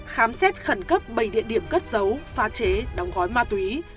khám xét khẩn cấp bảy địa điểm cất giấu pha chế đóng gói ma túy